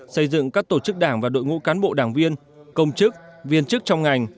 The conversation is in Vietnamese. xây dựng các tổ chức đảng và đội ngũ cán bộ đảng viên công chức viên chức trong ngành